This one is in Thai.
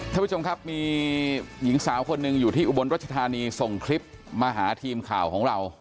ท่านผู้ชมครับมีหญิงสาวคนหนึ่งอยู่ที่อุบลรัชธานีส่งคลิปมาหาทีมข่าวของเรา